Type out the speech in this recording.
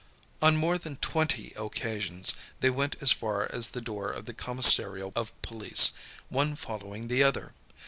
On more than twenty occasions, they went as far as the door of the commissariat of police, one following the other.